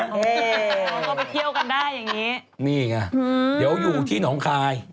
เขาก็ไปเที่ยวกันได้อย่างนี้นี่ไงเดี๋ยวอยู่ที่หนองคาย